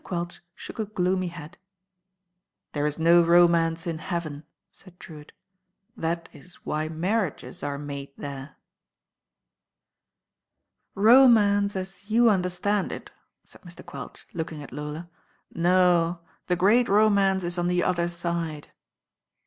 Quelch shook a gloomy head. "There is no romance in heaven," said I^rewitt. "That is why marriages are made there." "Romance as you understand it/' said Mr. Quelch, looking at Lola. "No ; the great romance it on the Other Side."